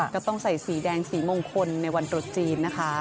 ก็ต้องใส่สีแดงสีมงคลในวันตรุษจีนนะคะ